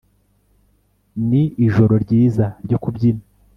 Ni ijoro ryiza ryo kubyina